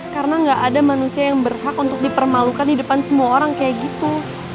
karena gak ada manusia yang berhak untuk dipermalukan di depan semua orang kayak gitu